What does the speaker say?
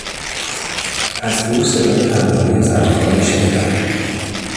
از دور صدای همهمهی زنها را میشنیدم.